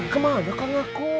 kemana kang aku